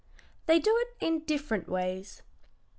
They do it in different ways.